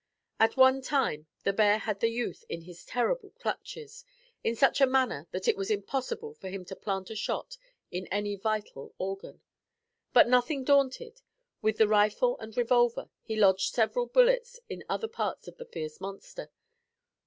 At one time the bear had the youth in his terrible clutches in such a manner that it was impossible for him to plant a shot in any vital organ. But nothing daunted, with his rifle and revolver, he lodged several bullets in other parts of the fierce monster.